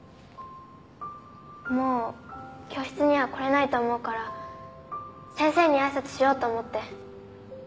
もう教室には来れないと思うから先生に挨拶しようと思って。